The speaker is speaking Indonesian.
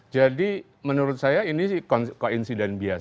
jadi menurut saya ini koinsiden biasa